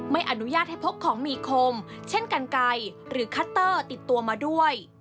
ไม่อนุญาตให้พกของมีคมเช่นกันไก่หรือคัตเตอร์ติดตัวมาด้วย